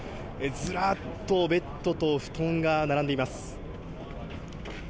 ずらっとベッドと布団が並んでいます。